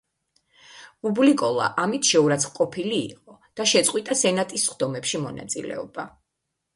პუბლიკოლა ამით შეურაცხყოფილი იყო და შეწყვიტა სენატის სხდომებში მონაწილეობა.